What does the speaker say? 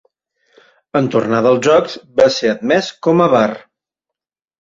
En tornar dels Jocs va ser admès com a bar.